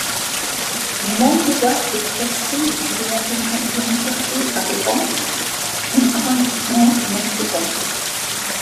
Montpezat-de-Quercy gehört zum Kanton Quercy-Aveyron im Arrondissement Montauban.